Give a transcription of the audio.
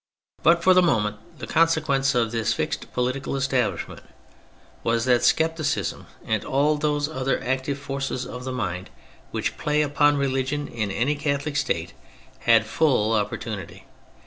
But for the moment the consequence of this fixed political establishment was that scepticism, and all those other active forces of the mind which play upon religion in any Catholic State, had full opportunity.